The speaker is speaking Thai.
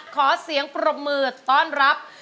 ขอเสียงปรบมือต้อนรับ